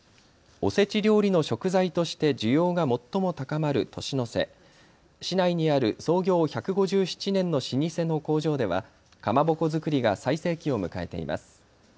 おせち料理の食材として需要が最も高まる年の瀬、市内にある創業１５７年の老舗の工場では、かまぼこ作りが最盛期を迎えています。